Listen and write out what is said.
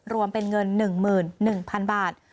รวมเป็นเงิน๑๑๐๐๐บาท